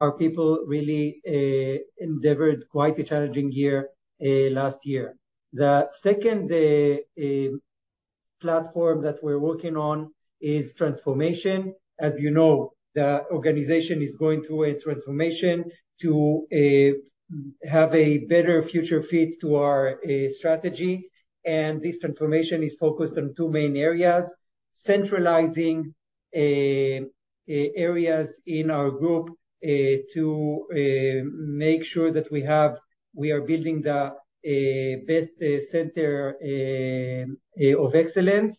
Our people really endeavored quite a challenging year last year. The second platform that we're working on is transformation. As you know, the organization is going through a transformation to have a better future fit to our strategy, and this transformation is focused on two main areas: centralizing areas in our group to make sure that we are building the best center of excellence,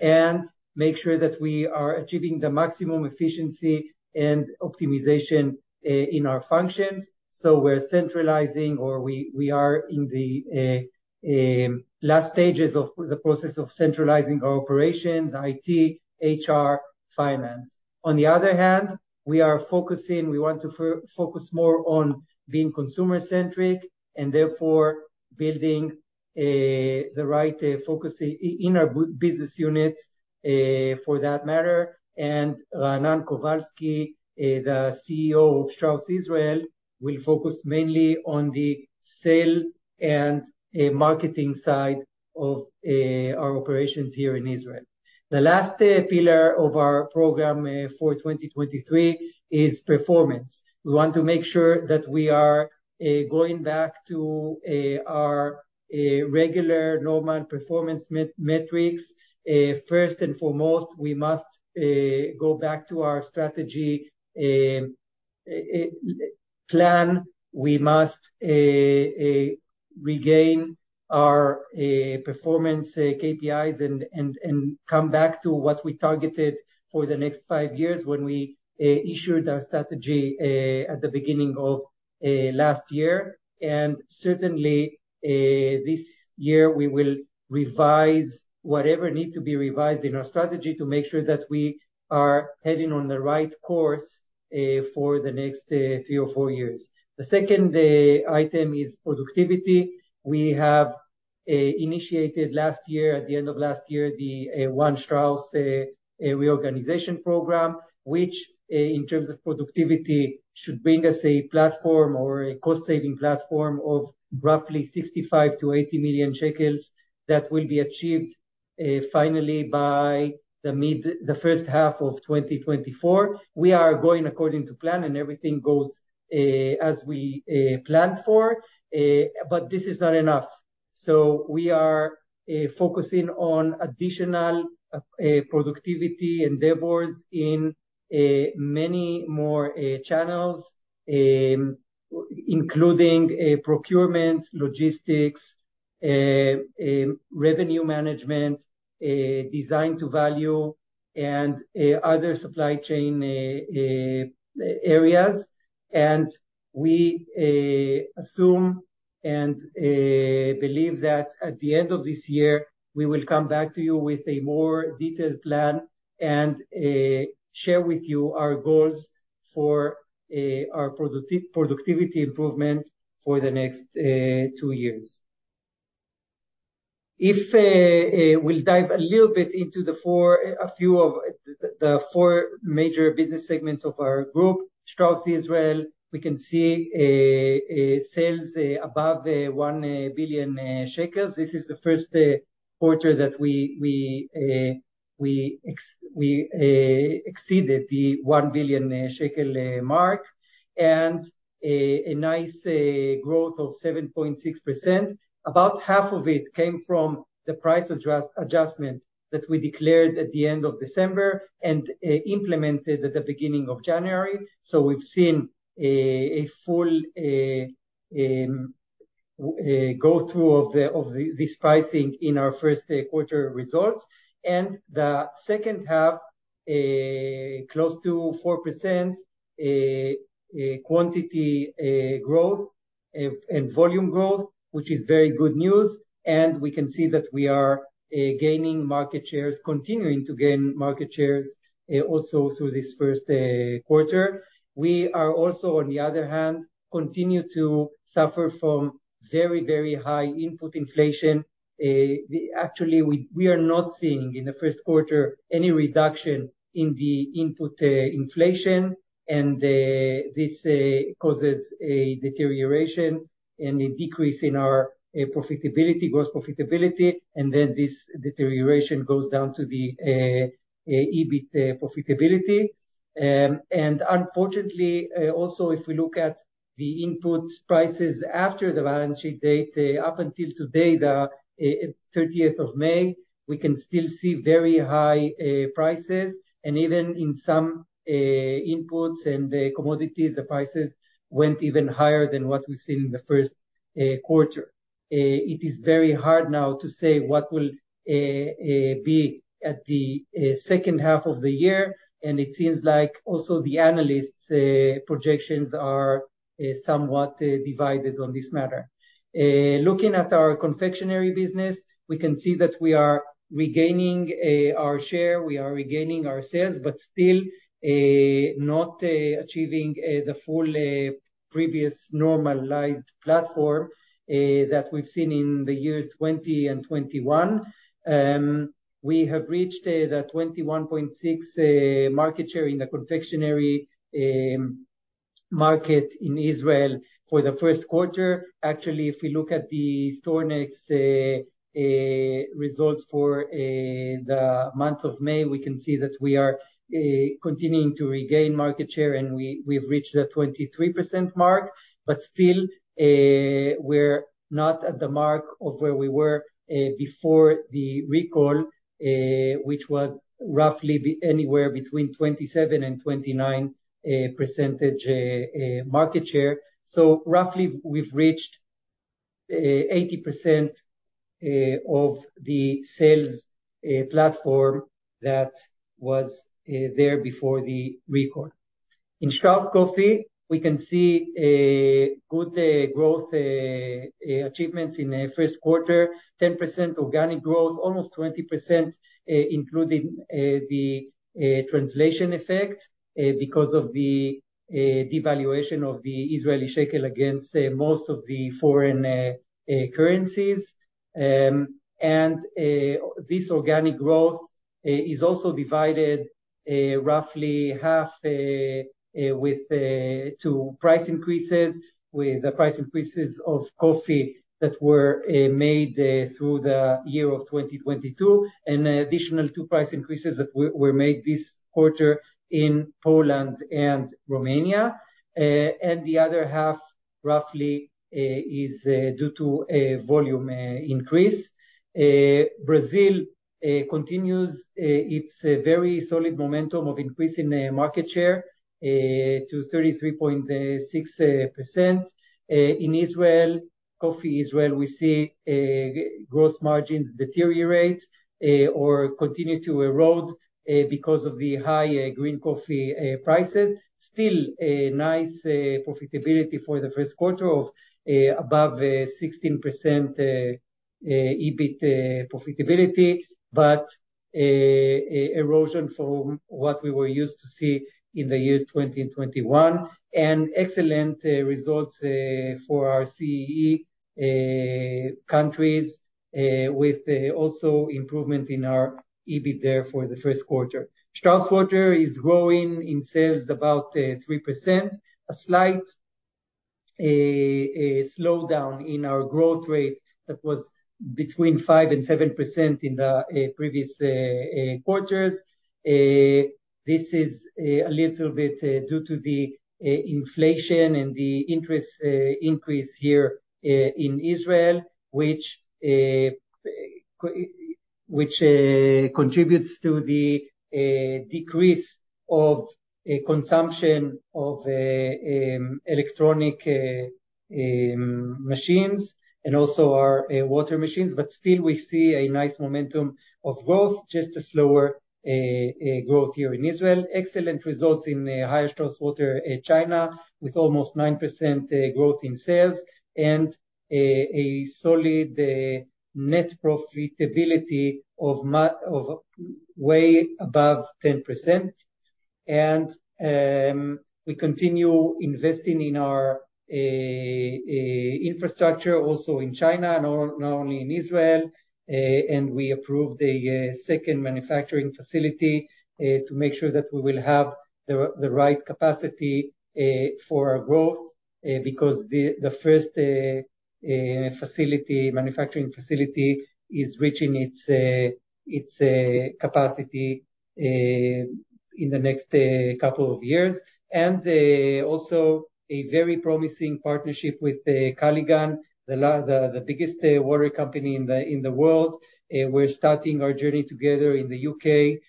and make sure that we are achieving the maximum efficiency and optimization in our functions. We're centralizing, or we are in the last stages of the process of centralizing our operations, IT, HR, finance. On the other hand, we are focusing. We want to focus more on being consumer-centric, and therefore building the right focus in our business units for that matter. Raanan Kovalsky, the CEO of Strauss Israel, will focus mainly on the sale and marketing side of our operations here in Israel. The last pillar of our program for 2023 is performance. We want to make sure that we are going back to our regular normal performance metrics. First and foremost, we must go back to our strategy plan. We must regain our performance KPIs and come back to what we targeted for the next five years when we issued our strategy at the beginning of last year. Certainly, this year we will revise whatever need to be revised in our strategy to make sure that we are heading on the right course for the next three or four years. The second item is productivity. We have initiated last year, at the end of last year, the One Strauss reorganization program, which in terms of productivity, should bring us a platform or a cost-saving platform of roughly 65 million ILS-80 million ILS that will be achieved finally by the first half of 2024. We are going according to plan, everything goes as we planned for, this is not enough. We are focusing on additional productivity endeavors in many more channels, including procurement, logistics, revenue management, design to value, and other supply chain areas. ...and believe that at the end of this year, we will come back to you with a more detailed plan and share with you our goals for our productivity improvement for the next two years. We'll dive a little bit into the four major business segments of our group, Strauss Israel, we can see sales above 1 billion shekels. This is the first quarter that we exceeded the 1 billion shekel mark, and a nice growth of 7.6%. About half of it came from the price adjustment that we declared at the end of December and implemented at the beginning of January. We've seen a full go through of the this pricing in our first quarter results. The second half, close to 4% quantity growth and volume growth, which is very good news, and we can see that we are gaining market shares, continuing to gain market shares, also through this first quarter. We are also, on the other hand, continue to suffer from very, very high input inflation. Actually, we are not seeing in the first quarter any reduction in the input inflation, and this causes a deterioration and a decrease in our profitability, gross profitability, and then this deterioration goes down to the EBIT profitability. Unfortunately, also, if we look at the input prices after the balance sheet date, up until today, the 30th of May, we can still see very high prices, and even in some inputs and the commodities, the prices went even higher than what we've seen in the first quarter. It is very hard now to say what will be at the second half of the year, and it seems like also the analysts' projections are somewhat divided on this matter. Looking at our confectionery business, we can see that we are regaining our share, we are regaining our sales, but still not achieving the full previous normalized platform that we've seen in the year 2020 and 2021. We have reached the 21.6% market share in the confectionery market in Israel for the first quarter. Actually, if we look at the StoreNext results for the month of May, we can see that we are continuing to regain market share, and we've reached the 23% mark, but still, we're not at the mark of where we were before the recall, which was roughly anywhere between 27%-29% market share. Roughly, we've reached 80% of the sales platform that was there before the recall. In Strauss Coffee, we can see a good growth achievements in the first quarter. 10% organic growth, almost 20%, including the translation effect, because of the devaluation of the Israeli shekel against most of the foreign currencies. This organic growth is also divided roughly half with to price increases, with the price increases of coffee that were made through the year of 2022, and an additional 2 price increases that were made this quarter in Poland and Romania. The other half, roughly, is due to a volume increase. Brazil continues its very solid momentum of increasing market share to 33.6%. In Israel, Coffee Israel, we see gross margins deteriorate or continue to erode because of the high green coffee prices. Still, a nice profitability for the first quarter of above 16% EBIT profitability, erosion from what we were used to see in the years 2020 and 2021. Excellent results for our CEE countries with also improvement in our EBITDA there for the first quarter. Strauss Water is growing in sales about 3%, a slight slowdown in our growth rate that was between 5% and 7% in the previous quarters. This is a little bit due to the inflation and the interest increase here in Israel, which contributes to the decrease of consumption of electronic machines and also our water machines. Still, we see a nice momentum of growth, just a slower growth here in Israel. Excellent results in the Haier Strauss Water China, with almost 9% growth in sales and a solid net profitability of way above 10%. We continue investing in our infrastructure, also in China, and not only in Israel. We approved a second manufacturing facility to make sure that we will have the right capacity for our growth because the first facility, manufacturing facility, is reaching its capacity in the next couple of years. Also a very promising partnership with Culligan, the biggest water company in the world. We're starting our journey together in the U.K.,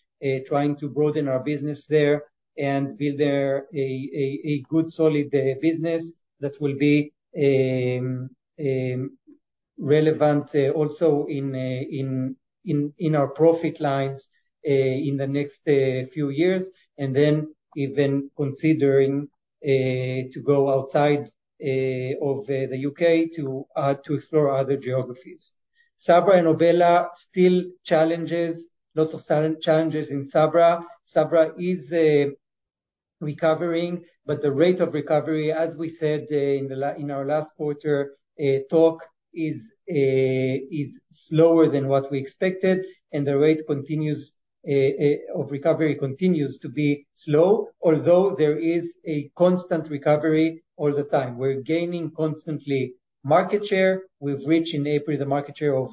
trying to broaden our business there and build there a good, solid business that will be relevant also in our profit lines in the next few years, and then even considering to go outside of the U.K. to explore other geographies. Sabra and Obela still challenges, lots of challenges in Sabra. Sabra is recovering, but the rate of recovery, as we said in our last quarter talk, is slower than what we expected, and the rate of recovery continues to be slow, although there is a constant recovery all the time. We're gaining constantly market share. We've reached in April, the market share of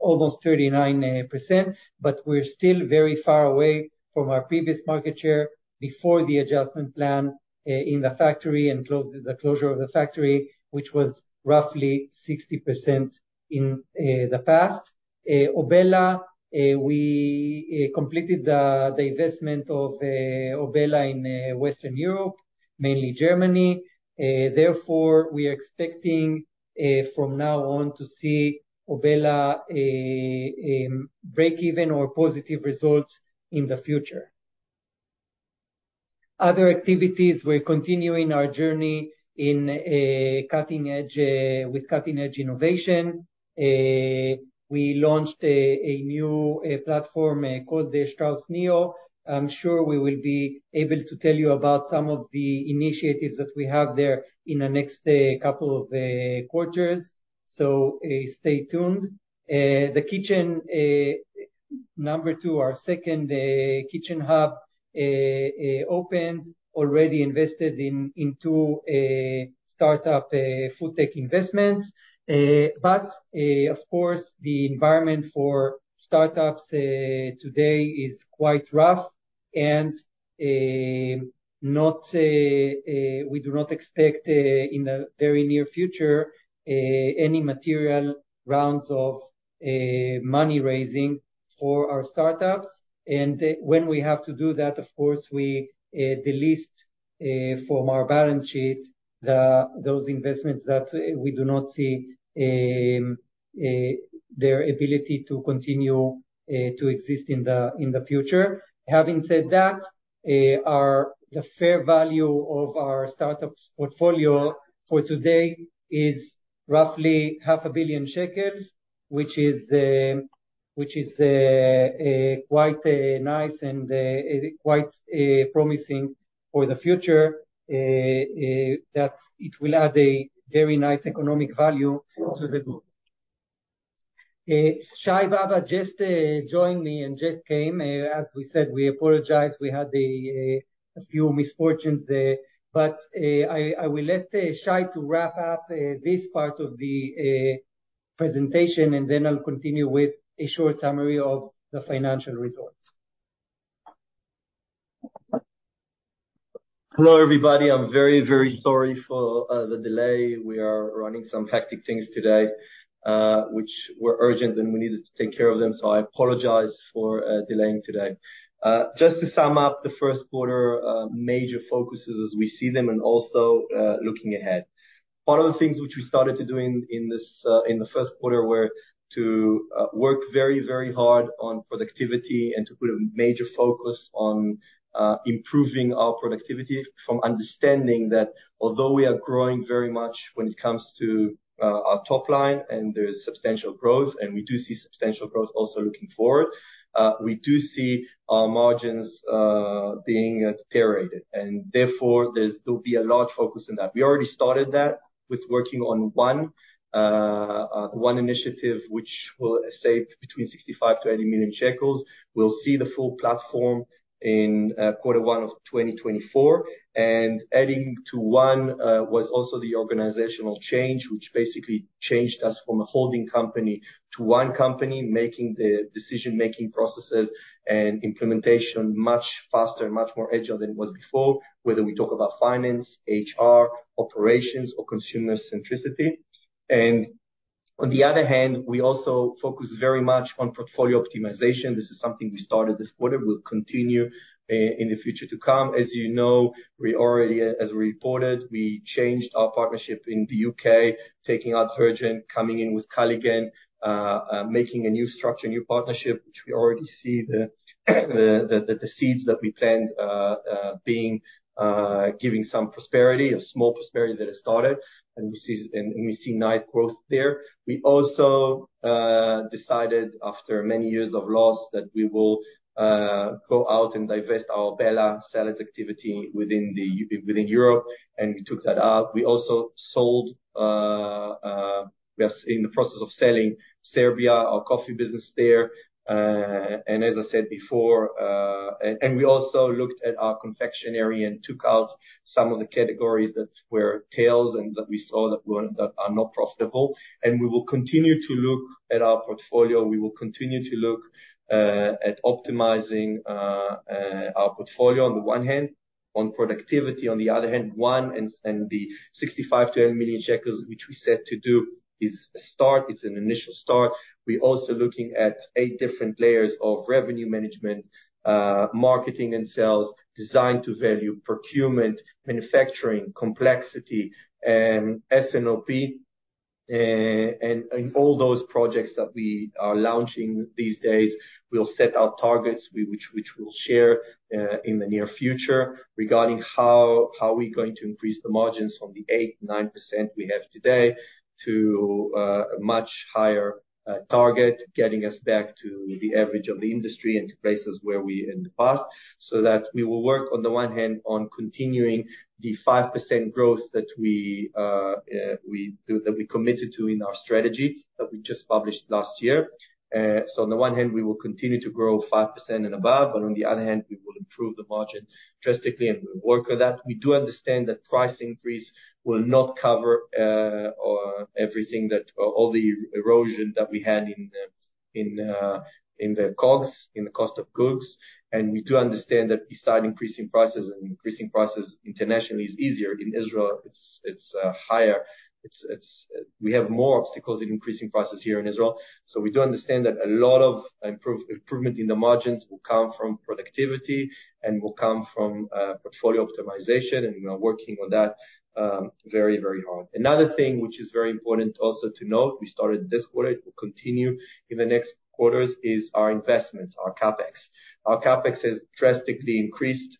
almost 39%, but we're still very far away from our previous market share before the adjustment plan in the factory and the closure of the factory, which was roughly 60% in the past. Obela, we completed the investment of Obela in Western Europe, mainly Germany. Therefore, we are expecting from now on to see Obela break even or positive results in the future. Other activities, we're continuing our journey in cutting-edge with cutting-edge innovation. We launched a new platform called the Strauss Neo. I'm sure we will be able to tell you about some of the initiatives that we have there in the next couple of quarters. Stay tuned. Number two, our second kitchen hub opened, already invested in into a startup food tech investments. Of course, the environment for startups today is quite rough, and not we do not expect in the very near future any material rounds of money-raising for our startups. When we have to do that, of course, we delist from our balance sheet, those investments that we do not see their ability to continue to exist in the future. Having said that, the fair value of our startups portfolio for today is roughly half a billion ILS, which is quite nice and quite promising for the future that it will add a very nice economic value to the group. Shai Babad just joined me and just came. As we said, we apologize, we had a few misfortunes there, I will let Shai to wrap up this part of the presentation, and then I'll continue with a short summary of the financial results. Hello, everybody. I'm very, very sorry for the delay. We are running some hectic things today, which were urgent, and we needed to take care of them, so I apologize for delaying today. Just to sum up the first quarter, major focuses as we see them, and also looking ahead. One of the things which we started to do in this, in the first quarter, were to work very, very hard on productivity, and to put a major focus on improving our productivity from understanding that although we are growing very much when it comes to our top line, and there's substantial growth, and we do see substantial growth also looking forward, we do see our margins being deteriorated, and therefore, there'll be a large focus on that. We already started that with working on ONE, ONE initiative, which will save between 65 million-80 million shekels. We'll see the full platform in quarter one of 2024, adding to ONE was also the organizational change, which basically changed us from a holding company to one company, making the decision-making processes and implementation much faster and much more agile than it was before, whether we talk about finance, HR, operations, or consumer centricity. On the other hand, we also focus very much on portfolio optimization. This is something we started this quarter, we'll continue in the future to come. As you know, we already, as reported, we changed our partnership in the U.K., taking out Virgin, coming in with Culligan, making a new structure, new partnership, which we already see the seeds that we plant being giving some prosperity, a small prosperity that has started, and we see nice growth there. We also decided after many years of loss, that we will go out and divest our Obela salad activity within Europe, and we took that out. We also sold. We are in the process of selling Serbia, our coffee business there. As I said before, we also looked at our confectionery and took out some of the categories that were tails, and that we saw that are not profitable. We will continue to look at our portfolio, we will continue to look at optimizing our portfolio on the one hand, on productivity, on the other hand, one, and the 65 million-80 million shekels, which we set to do, is a start, it's an initial start. We're also looking at eight different layers of revenue management, marketing and sales, design to value, procurement, manufacturing, complexity, and S&OP. All those projects that we are launching these days, we'll set our targets, which we'll share in the near future, regarding how we're going to increase the margins from the 8%-9% we have today, to a much higher target, getting us back to the average of the industry and to places where we in the past. That we will work, on the one hand, on continuing the 5% growth that we committed to in our strategy, that we just published last year. On the one hand, we will continue to grow 5% and above, on the other hand, we will improve the margin drastically, and we'll work on that. We do understand that price increase will not cover All the erosion that we had in the COGS, in the cost of goods. We do understand that besides increasing prices, and increasing prices internationally is easier, in Israel, it's higher. We have more obstacles in increasing prices here in Israel. We do understand that a lot of improvement in the margins will come from productivity, and will come from portfolio optimization, and we are working on that, very, very hard. Another thing which is very important also to note, we started this quarter, it will continue in the next quarters, is our investments, our CapEx. Our CapEx has drastically increased.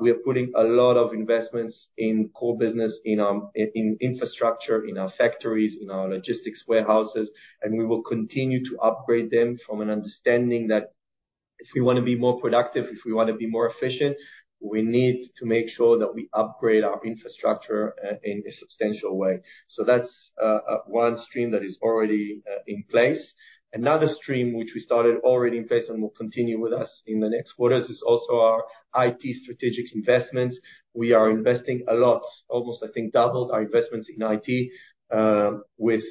We are putting a lot of investments in core business, in infrastructure, in our factories, in our logistics warehouses. We will continue to upgrade them from an understanding that. If we want to be more productive, if we want to be more efficient, we need to make sure that we upgrade our infrastructure in a substantial way. That's one stream that is already in place. Another stream which we started already in place and will continue with us in the next quarters, is also our IT strategic investments. We are investing a lot, almost, I think, doubled our investments in IT, with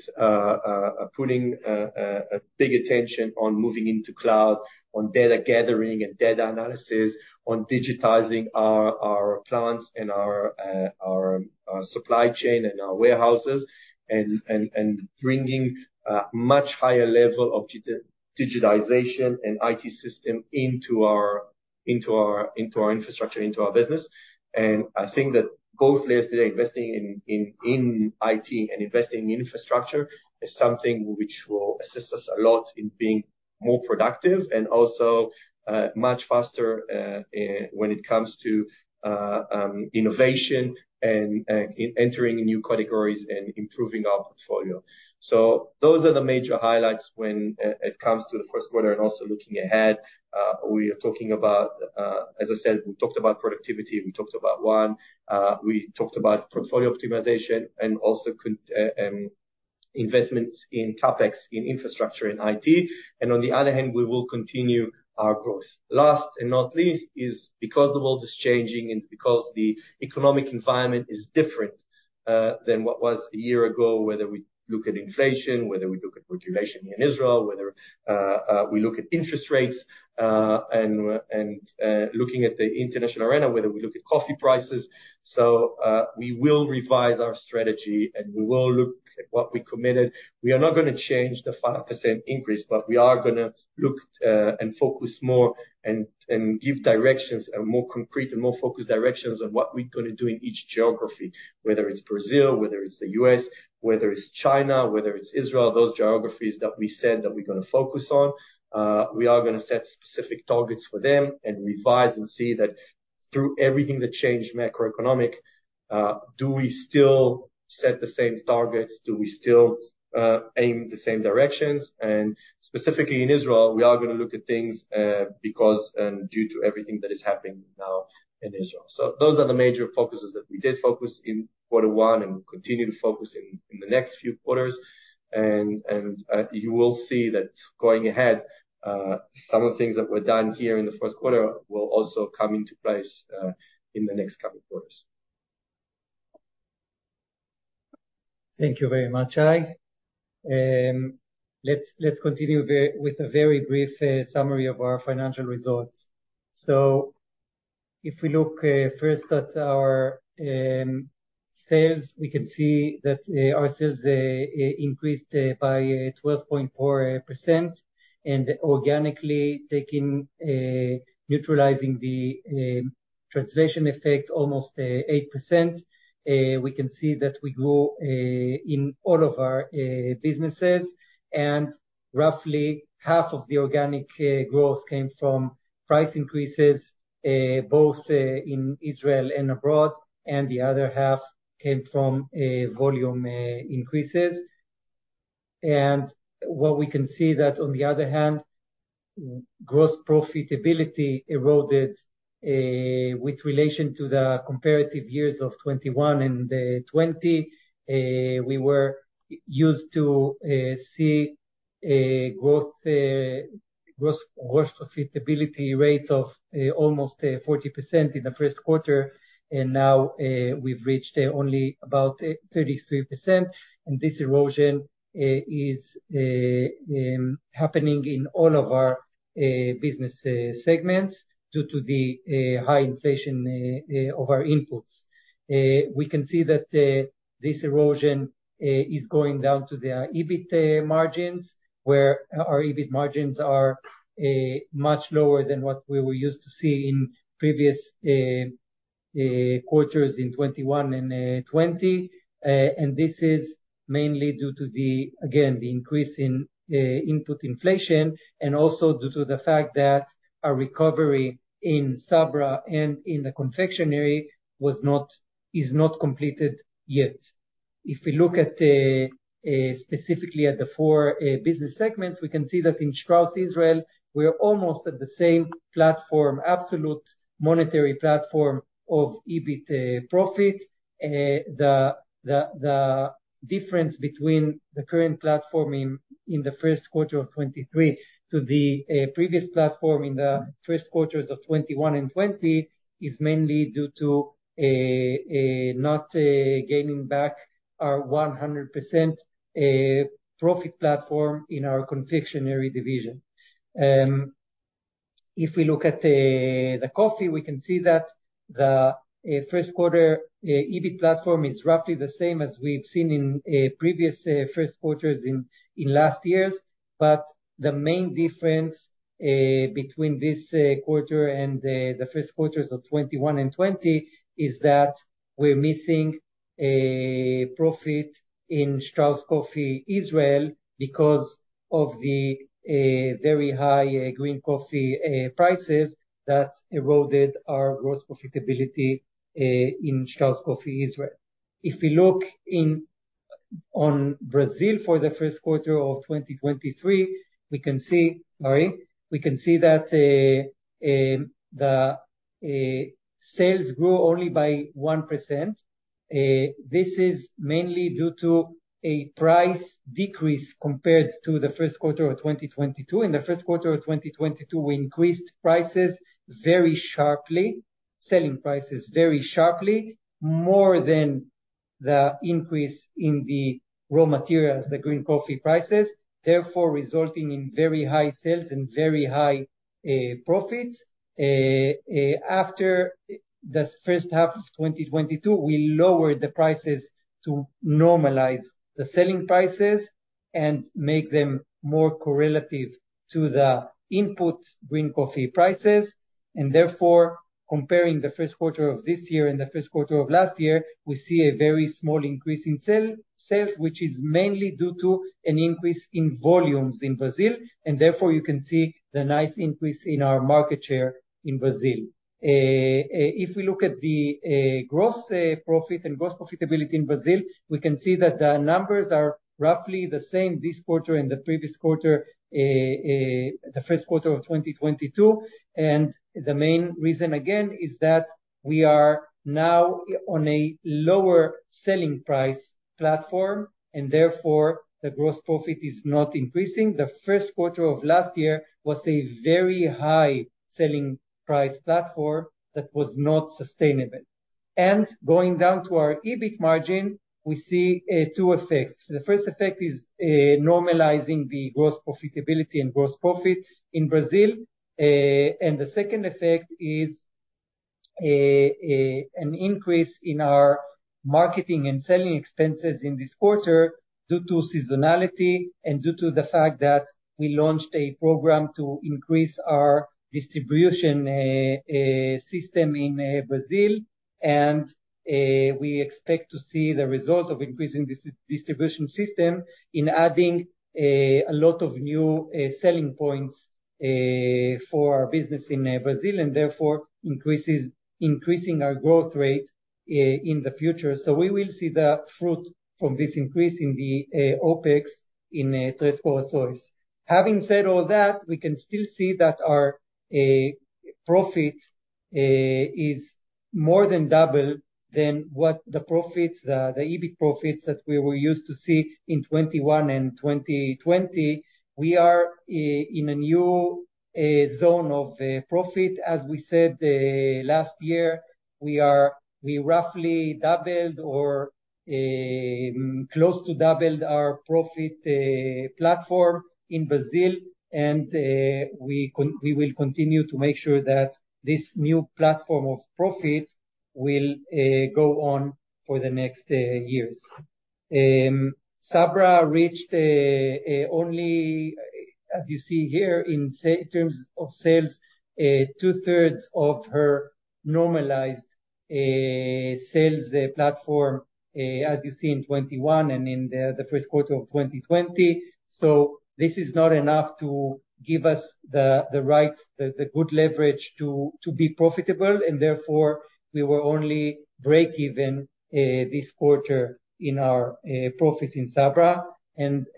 putting a big attention on moving into cloud, on data gathering and data analysis, on digitizing our plants and our supply chain and our warehouses, and bringing much higher level of digitization and IT system into our infrastructure, into our business. I think that both layers today, investing in IT and investing in infrastructure, is something which will assist us a lot in being more productive and also much faster when it comes to innovation and entering new categories and improving our portfolio. Those are the major highlights when it comes to the first quarter and also looking ahead. We are talking about. As I said, we talked about productivity, we talked about one, we talked about portfolio optimization and also investments in CapEx, in infrastructure, in IT, and on the other hand, we will continue our growth. Last and not least, is because the world is changing and because the economic environment is different than what was a year ago, whether we look at inflation, whether we look at regulation in Israel, whether we look at interest rates, and looking at the international arena, whether we look at coffee prices. We will revise our strategy, and we will look at what we committed. We are not gonna change the 5% increase. We are gonna look and focus more and give directions and more concrete and more focused directions on what we're gonna do in each geography, whether it's Brazil, whether it's the U.S., whether it's China, whether it's Israel, those geographies that we said that we're gonna focus on. We are gonna set specific targets for them and revise and see that through everything that changed macroeconomic, do we still set the same targets? Do we still aim the same directions? Specifically in Israel, we are gonna look at things because due to everything that is happening now in Israel. Those are the major focuses that we did focus in quarter one and will continue to focus in the next few quarters. You will see that going ahead, some of the things that were done here in the first quarter will also come into place, in the next couple quarters. Thank you very much, Shai. Let's continue with a very brief summary of our financial results. If we look first at our sales, we can see that our sales increased by 12.4%, and organically taking neutralizing the translation effect, almost 8%. We can see that we grew in all of our businesses, and roughly half of the organic growth came from price increases, both in Israel and abroad, and the other half came from volume increases. What we can see that on the other hand, gross profitability eroded with relation to the comparative years of 2021 and 2020. We were used to see a growth profitability rates of almost 40% in the first quarter. Now, we've reached only about 33%. This erosion is happening in all of our business segments due to the high inflation of our inputs. We can see that this erosion is going down to the EBITDA margins, where our EBITDA margins are much lower than what we were used to see in previous quarters in 2021 and 2020. This is mainly due to the again, the increase in input inflation, and also due to the fact that our recovery in Sabra and in the confectionery is not completed yet. If we look at specifically at the four business segments, we can see that in Strauss Israel, we're almost at the same platform, absolute monetary platform of EBIT profit. The difference between the current platform in the first quarter of 2023 to the previous platform in the first quarters of 2021 and 2020, is mainly due to not gaining back our 100% profit platform in our confectionery division. If we look at the coffee, we can see that the first quarter EBIT platform is roughly the same as we've seen in previous first quarters in last years. The main difference between this quarter and the first quarters of 2021 and 2020, is that we're missing profit in Strauss Coffee Israel, because of the very high green coffee prices that eroded our gross profitability in Strauss Coffee Israel. If we look on Brazil for the first quarter of 2023, we can see that sales grew only by 1%. This is mainly due to a price decrease compared to the first quarter of 2022. In the first quarter of 2022, we increased prices very sharply, selling prices very sharply, more than the increase in the raw materials, the green coffee prices, therefore resulting in very high sales and very high profits. After the first half of 2022, we lowered the prices to normalize the selling prices and make them more correlative to the input green coffee prices, and therefore, comparing the first quarter of this year and the first quarter of last year, we see a very small increase in sales, which is mainly due to an increase in volumes in Brazil, and therefore, you can see the nice increase in our market share in Brazil. If we look at the gross profit and gross profitability in Brazil, we can see that the numbers are roughly the same this quarter and the previous quarter, the first quarter of 2022. The main reason, again, is that we are now on a lower selling price platform, and therefore, the gross profit is not increasing. The first quarter of last year was a very high selling price platform that was not sustainable. Going down to our EBIT margin, we see two effects. The first effect is normalizing the gross profitability and gross profit in Brazil. The second effect is an increase in our marketing and selling expenses in this quarter due to seasonality and due to the fact that we launched a program to increase our distribution system in Brazil. We expect to see the results of increasing this distribution system in adding a lot of new selling points for our business in Brazil, and therefore, increasing our growth rate in the future. We will see the fruit from this increase in the OPEX in Três Corações. Having said all that, we can still see that our profit is more than double than what the EBIT profits that we were used to see in 2021 and 2020. We are in a new zone of profit. As we said last year, we roughly doubled or close to doubled our profit platform in Brazil, and we will continue to make sure that this new platform of profit will go on for the next years. Sabra reached only... As you see here, in terms of sales, 2/3 of her normalized sales platform, as you see in 2021 and in the first quarter of 2020. This is not enough to give us the right, the good leverage to be profitable, and therefore, we were only break-even this quarter in our profits in Sabra.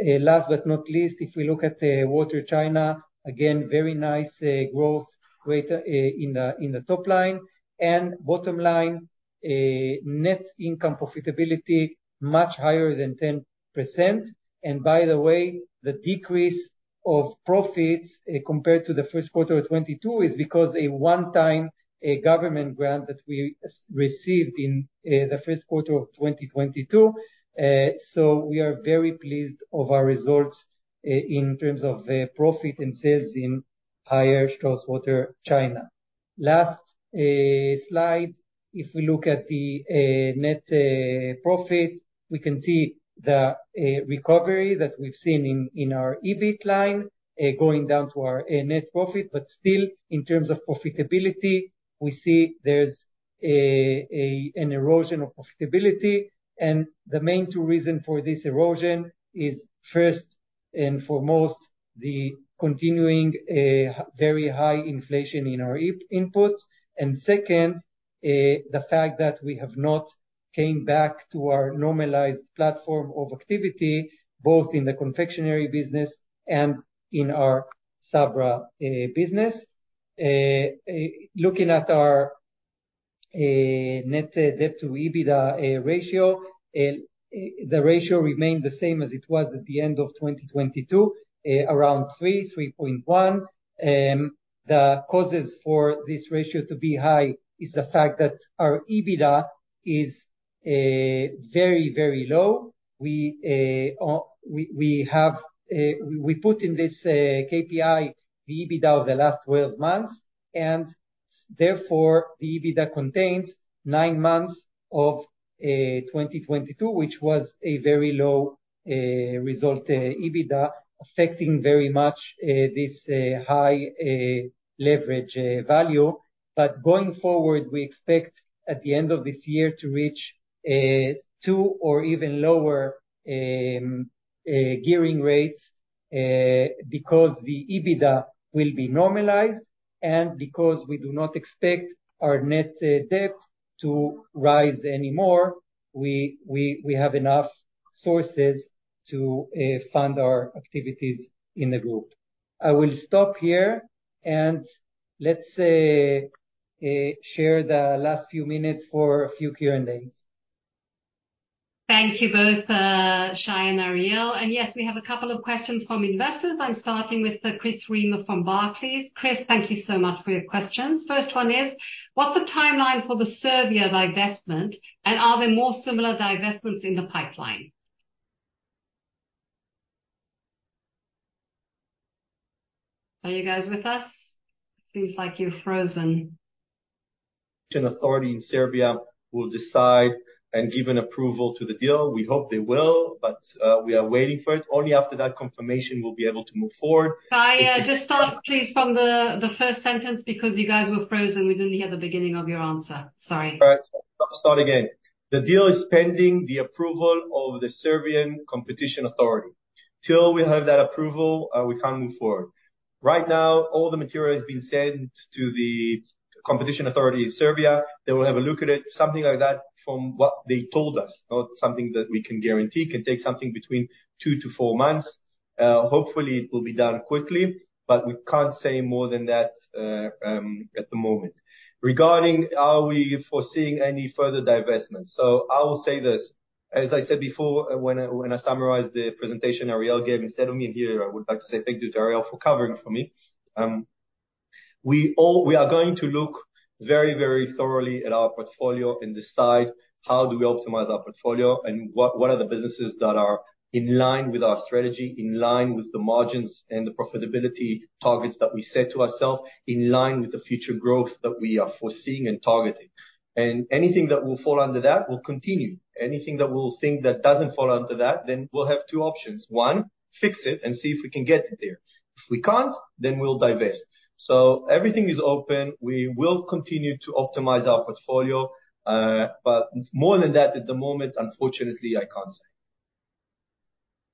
Last but not least, if we look at Water China, again, very nice growth rate in the, in the top line and bottom line, net income profitability, much higher than 10%. By the way, the decrease of profits, compared to the first quarter of 2022, is because a one-time government grant that we received in the first quarter of 2022. We are very pleased of our results in terms of profit and sales in Haier Strauss Water China. Last slide, if we look at the net profit, we can see the recovery that we've seen in our EBIT line, going down to our net profit, but still, in terms of profitability, we see there's an erosion of profitability. The main two reason for this erosion is, first and foremost, the continuing very high inflation in our inputs, and second, the fact that we have not came back to our normalized platform of activity, both in the confectionery business and in our Sabra business. Looking at our net debt to EBITDA ratio, the ratio remained the same as it was at the end of 2022, around 3:3.1 The causes for this ratio to be high is the fact that our EBITDA is very, very low. We have, we put in this KPI, the EBITDA of the last 12 months. Therefore, the EBITDA contains nine months of 2022, which was a very low result, EBITDA, affecting very much this high leverage value. Going forward, we expect, at the end of this year, to reach two or even lower gearing rates, because the EBITDA will be normalized, and because we do not expect our net debt to rise anymore, we have enough sources to fund our activities in the group. I will stop here, and let's share the last few minutes for a few Q&As. Thank you both, Shai and Ariel. Yes, we have a couple of questions from investors. I'm starting with Chris Reimer from Barclays. Chris, thank you so much for your questions. First one is: What's the timeline for the Serbia divestment, and are there more similar divestments in the pipeline? Are you guys with us? Seems like you've frozen.... Competition Authority in Serbia will decide and give an approval to the deal. We hope they will. We are waiting for it. Only after that confirmation, we'll be able to move forward. Shai, just start please from the first sentence, because you guys were frozen. We only hear the beginning of your answer. Sorry. All right. Start again. The deal is pending the approval of the Serbian Competition Authority. Till we have that approval, we can't move forward. Right now, all the material has been sent to the Competition Authority in Serbia. They will have a look at it, something like that, from what they told us, not something that we can guarantee, can take something between 2-4 months. Hopefully, it will be done quickly, but we can't say more than that at the moment. Regarding, are we foreseeing any further divestment? I will say this, as I said before, when I summarized the presentation Ariel gave, instead of me here, I would like to say thank you to Ariel for covering for me. We are going to look very, very thoroughly at our portfolio and decide how do we optimize our portfolio, and what are the businesses that are in line with our strategy, in line with the margins and the profitability targets that we set to ourselves, in line with the future growth that we are foreseeing and targeting. Anything that will fall under that, will continue. Anything that we'll think that doesn't fall under that, then we'll have two options. One, fix it and see if we can get it there. If we can't, then we'll divest. Everything is open. We will continue to optimize our portfolio, but more than that, at the moment, unfortunately, I can't say.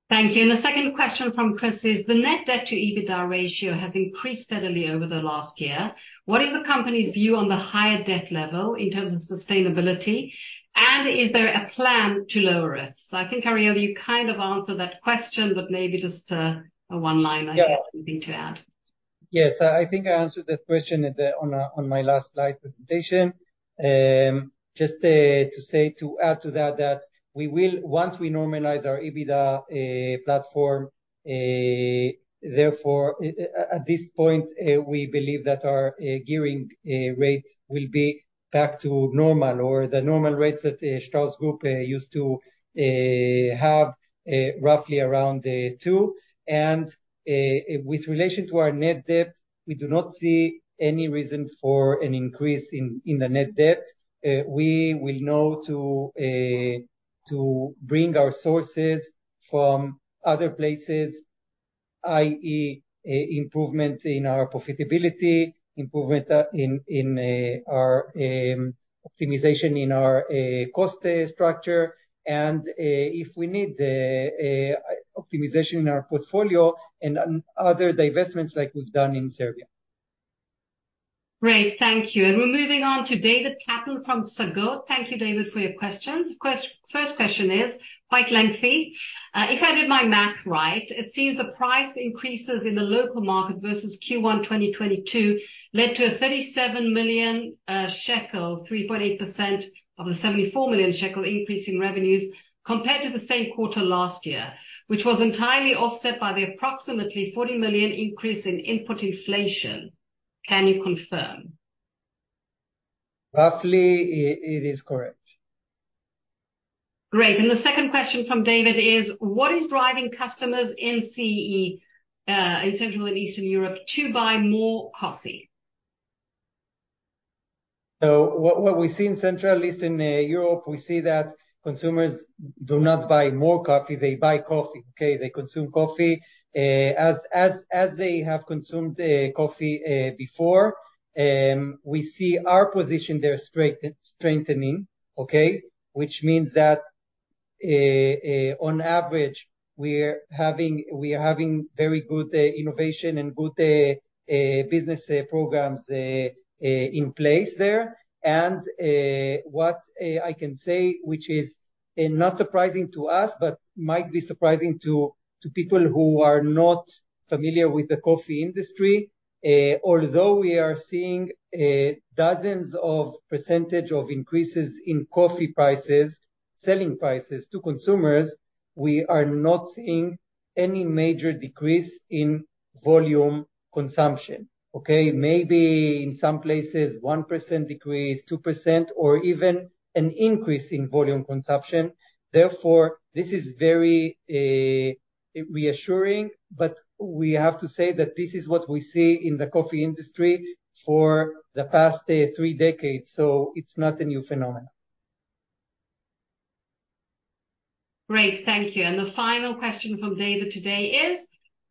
Thank you. The second question from Chris is: The net debt to EBITDA ratio has increased steadily over the last year. What is the company's view on the higher debt level in terms of sustainability, and is there a plan to lower it? I think, Ariel, you kind of answered that question, but maybe just a one-liner- Yeah. If you have anything to add. Yes. I think I answered that question at the, on my last slide presentation. Just to say, to add to that we will Once we normalize our EBITDA platform, therefore, at this point, we believe that our gearing rate will be back to normal or the normal rates that the Strauss Group used to have roughly around two. With relation to our net debt, we do not see any reason for an increase in the net debt. We will know to bring our sources from other places, i.e improvement in our profitability, improvement in our optimization in our cost structure, if we need optimization in our portfolio and other divestments like we've done in Serbia. Great, thank you. We're moving on to David Kaplan from Psagot. Thank you, David, for your questions. First question is quite lengthy. If I did my math right, it seems the price increases in the local market versus Q1 2022 led to a 37 million shekel, 3.8% of the 74 million shekel increase in revenues, compared to the same quarter last year, which was entirely offset by the approximately 40 million increase in input inflation. Can you confirm? Roughly, it is correct. Great. The second question from David is: What is driving customers in CEE, in Central and Eastern Europe, to buy more coffee? What we see in Central, at least in Europe, we see that consumers do not buy more coffee, they buy coffee, okay. They consume coffee as they have consumed coffee before. We see our position there strengthening, okay, which means that on average, we are having very good innovation and good business programs in place there. What I can say, which is not surprising to us, but might be surprising to people who are not familiar with the coffee industry, although we are seeing dozens of percentage of increases in coffee prices, selling prices to consumers, we are not seeing any major decrease in volume consumption, okay. Maybe in some places, 1% decrease, 2%, or even an increase in volume consumption. This is very reassuring, but we have to say that this is what we see in the coffee industry for the past three decades, so it's not a new phenomenon. Great, thank you. The final question from David today is: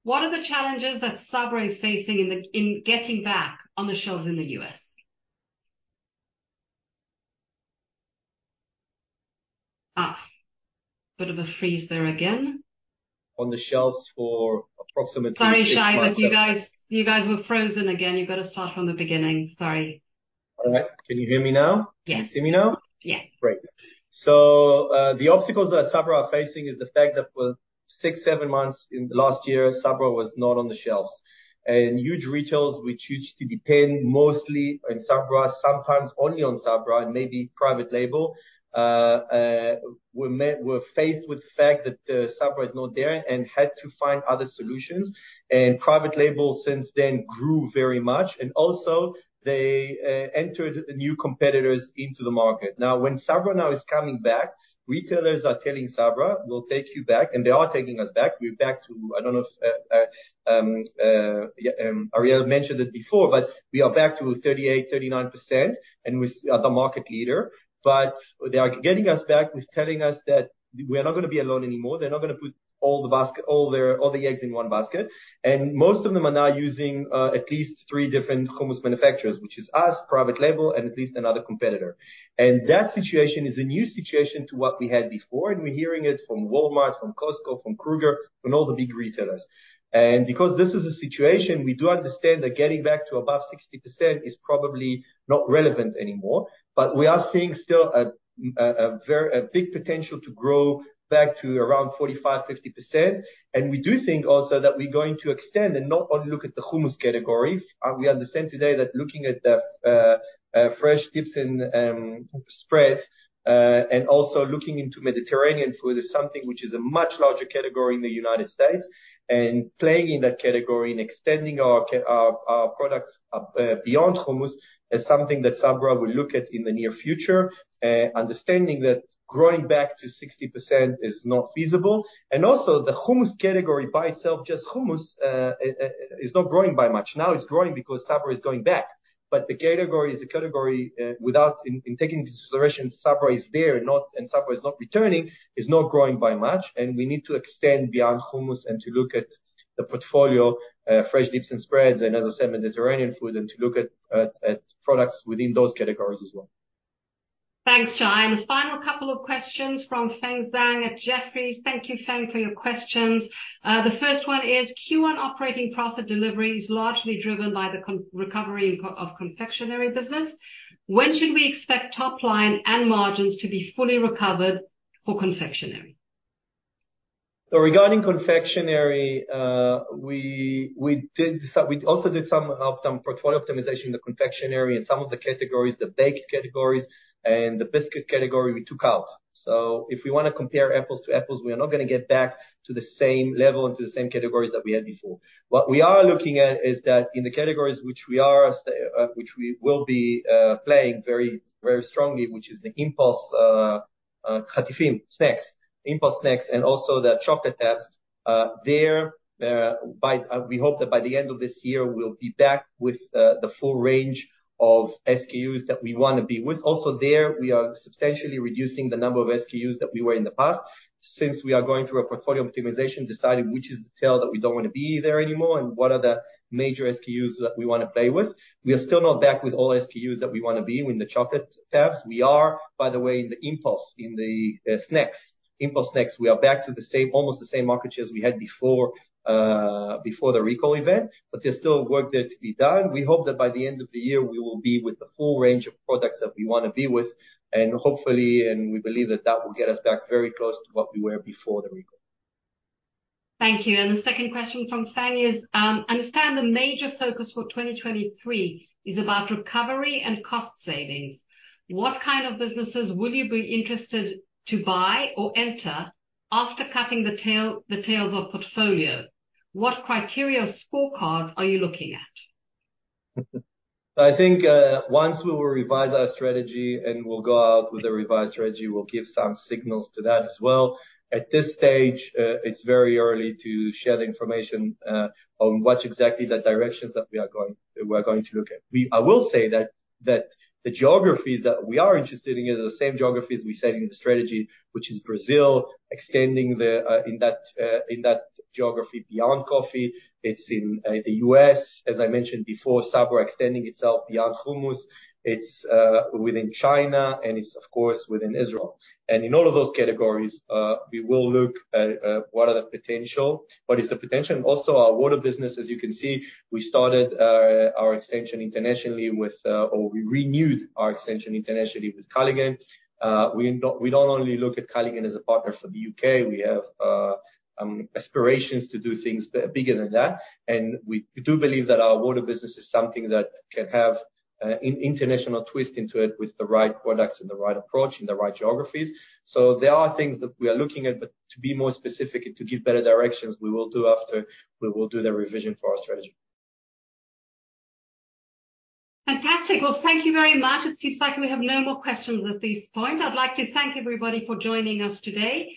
What are the challenges that Sabra is facing in getting back on the shelves in the US? Bit of a freeze there again. On the shelves for approximately- Sorry, Shai, you guys were frozen again. You've got to start from the beginning. Sorry. All right. Can you hear me now? Yes. Can you see me now? Yeah. The obstacles that Sabra are facing is the fact that for six, seven months in the last year, Sabra was not on the shelves. Huge retailers which used to depend mostly on Sabra, sometimes only on Sabra, and maybe private label, were faced with the fact that Sabra is not there, and had to find other solutions. Private label since then grew very much, and also they entered new competitors into the market. When Sabra now is coming back, retailers are telling Sabra: "We'll take you back," and they are taking us back. I don't know if Ariel mentioned it before, but we are back to 38%, 39%, and we are the market leader. They are getting us back with telling us that we are not gonna be alone anymore. They're not gonna put all their, all the eggs in one basket. Most of them are now using at least three different hummus manufacturers, which is us, private label, and at least another competitor. That situation is a new situation to what we had before, and we're hearing it from Walmart, from Costco, from Kroger, from all the big retailers. Because this is the situation, we do understand that getting back to above 60% is probably not relevant anymore. We are seeing still a very big potential to grow back to around 45%-50%. We do think also that we're going to extend, and not only look at the hummus category. We understand today that looking at the fresh dips and spreads, and also looking into Mediterranean food, is something which is a much larger category in the United States. Playing in that category and extending our products beyond hummus, is something that Sabra will look at in the near future. Understanding that growing back to 60% is not feasible. The hummus category by itself, just hummus, is not growing by much. Now, it's growing because Sabra is going back. The category is a category without... In taking into consideration, Sabra is there, and Sabra is not returning, is not growing by much, and we need to extend beyond hummus and to look at the portfolio, fresh dips and spreads, and as I said, Mediterranean food, and to look at products within those categories as well. Thanks, Shai. The final couple of questions from Feng Zhang at Jefferies. Thank you, Feng, for your questions. The first one is, Q1 operating profit delivery is largely driven by the recovery of confectionery business. When should we expect top line and margins to be fully recovered for confectionery? Regarding confectionery, we also did some portfolio optimization in the confectionery, and some of the categories, the baked categories and the biscuit category, we took out. If we wanna compare apples to apples, we are not gonna get back to the same level and to the same categories that we had before. What we are looking at, is that in the categories which we will be playing very, very strongly, which is the impulse chatifim snacks, impulse snacks, and also the chocolate tabs. There, we hope that by the end of this year, we'll be back with the full range of SKUs that we wanna be with. Also there, we are substantially reducing the number of SKUs that we were in the past. Since we are going through a portfolio optimization, deciding which is the tail that we don't wanna be there anymore, and what are the major SKUs that we wanna play with. We are still not back with all SKUs that we wanna be in the chocolate tabs. We are, by the way, in the impulse, in the snacks. Impulse snacks, we are back to the same, almost the same market share as we had before the recall event, but there's still work there to be done. We hope that by the end of the year, we will be with the full range of products that we wanna be with, and hopefully, and we believe that will get us back very close to what we were before the recall. Thank you. The second question from Feng is: Understand the major focus for 2023 is about recovery and cost savings. What kind of businesses would you be interested to buy or enter after cutting the tails of portfolio? What criteria scorecards are you looking at? I think once we will revise our strategy and we'll go out with a revised strategy, we'll give some signals to that as well. At this stage, it's very early to share the information on what's exactly the directions that we're going to look at. I will say that the geographies that we are interested in are the same geographies we said in the strategy, which is Brazil, extending the in that geography beyond coffee. It's in the U.S. As I mentioned before, Sabra extending itself beyond hummus. It's within China, it's of course, within Israel. In all of those categories, we will look at what is the potential. Also, our water business, as you can see, we started our expansion internationally with... We renewed our expansion internationally with Culligan. We don't only look at Culligan as a partner for the U.K., we have aspirations to do things bigger than that. We do believe that our water business is something that can have an international twist into it, with the right products and the right approach, and the right geographies. There are things that we are looking at, but to be more specific and to give better directions, we will do after we will do the revision for our strategy. Fantastic. Well, thank you very much. It seems like we have no more questions at this point. I'd like to thank everybody for joining us today.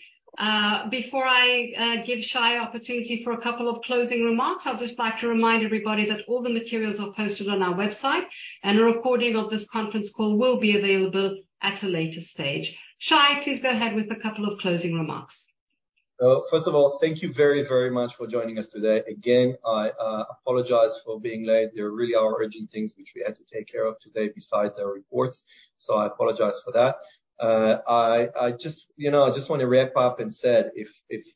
Before I give Shai opportunity for a couple of closing remarks, I'd just like to remind everybody that all the materials are posted on our website, and a recording of this conference call will be available at a later stage. Shai, please go ahead with a couple of closing remarks. First of all, thank you very, very much for joining us today. Again, I apologize for being late. There really are urgent things which we had to take care of today besides the reports. I apologize for that. I just, you know, I just want to wrap up and said if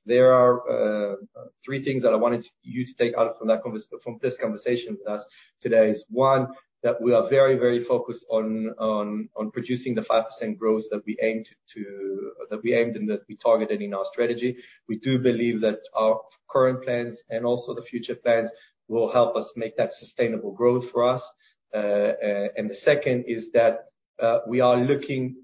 there are three things that I wanted you to take out from this conversation with us today, is one, that we are very, very focused on producing the 5% growth that we aimed and that we targeted in our strategy. We do believe that our current plans and also the future plans will help us make that sustainable growth for us. The second is that we are looking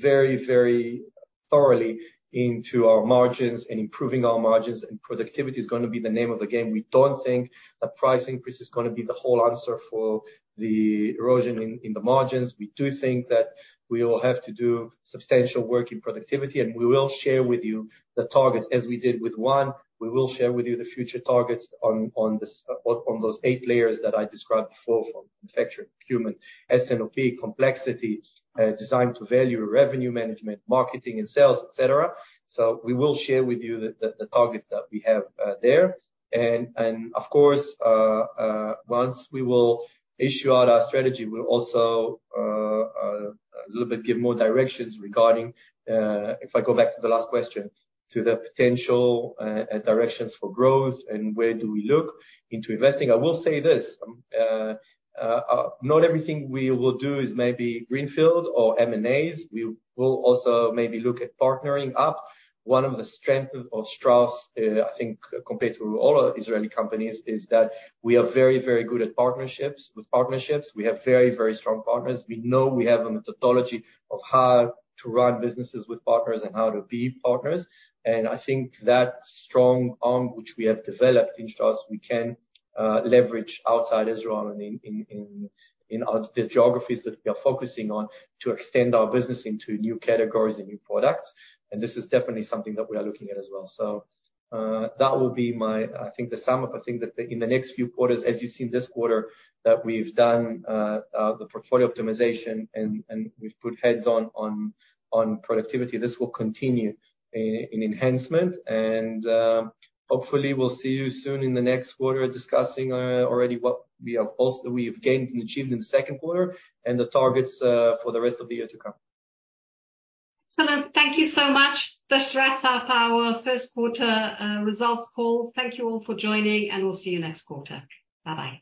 very, very thoroughly into our margins and improving our margins, and productivity is gonna be the name of the game. We don't think a price increase is gonna be the whole answer for the erosion in the margins. We do think that we will have to do substantial work in productivity. We will share with you the targets, as we did with One Strauss, we will share with you the future targets on this, on those eight layers that I described before, from manufacturing, human, S&OP, complexity, design to value, revenue management, marketing and sales, et cetera. We will share with you the targets that we have there. Of course, once we will issue out our strategy, we'll also a little bit give more directions regarding. If I go back to the last question, to the potential directions for growth and where do we look into investing? I will say this, not everything we will do is maybe greenfield or M&As. We will also maybe look at partnering up. One of the strengths of Strauss, I think compared to all Israeli companies, is that we are very, very good at partnerships. With partnerships, we have very, very strong partners. We know we have a methodology of how to run businesses with partners and how to be partners, and I think that strong arm which we have developed in Strauss, we can leverage outside Israel and in our, the geographies that we are focusing on to extend our business into new categories and new products. This is definitely something that we are looking at as well. I think, the sum up. I think that in the next few quarters, as you see in this quarter, that we've done the portfolio optimization and we've put heads on productivity. This will continue in enhancement, and hopefully we'll see you soon in the next quarter, discussing already what we have also, we have gained and achieved in the second quarter, and the targets for the rest of the year to come. Thank you so much. That wraps up our first quarter results call. Thank you all for joining, and we'll see you next quarter. Bye-bye.